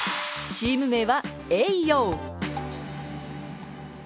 チーム名は泳踊。